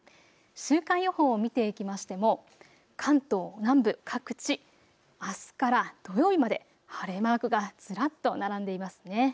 週間予報を見ていきましても関東南部、各地、あすから土曜日まで晴れマークがずらっと並んでいますね。